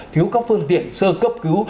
thiếu các phương tiện sơ cấp cứu